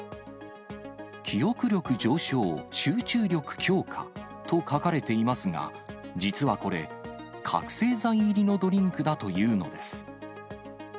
記憶力上昇、集中力強化と書かれていますが、実はこれ、覚醒剤入りのドリンクだというのです。